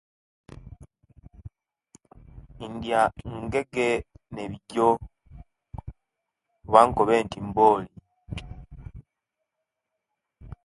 India ingege ne bijo oba inkobe nti mboli